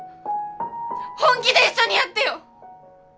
本気で一緒にやってよ！